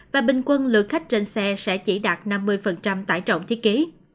và bình quân lượt khách trên xe sẽ chỉ đạt năm mươi tải trọng thiết kế